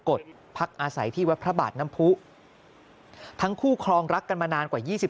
กฎพักอาศัยที่วัดพระบาทน้ำผู้ทั้งคู่ครองรักกันมานานกว่า๒๐